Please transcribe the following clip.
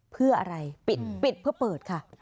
เพื่ออะไรปิดปิดเพื่อเปิดค่ะ